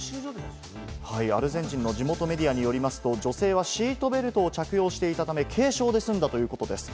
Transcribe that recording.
アルゼンチンの地元メディアによりますと、女性はシートベルトを着用していたため、軽傷で済んだということです。